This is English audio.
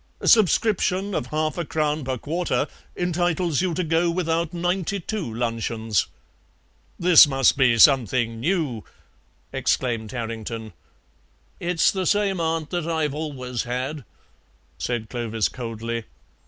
A subscription of half a crown per quarter entitles you to go without ninety two luncheons." "This must be something new," exclaimed Tarrington. "It's the same aunt that I've always had," said Clovis coldly.